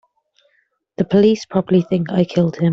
The police probably think I killed him.